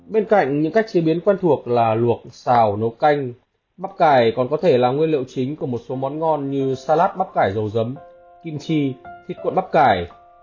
bên cạnh những cách chế biến quen thuộc là luộc xào nấu canh bắp cải còn có thể là nguyên liệu chính của một số món ngon như salat bắp cải dầu dấm kim chi thịt cuộn bắp cải